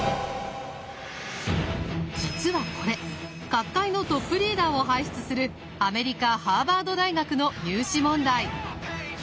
実はこれ各界のトップリーダーを輩出するアメリカ・ハーバード大学の入試問題。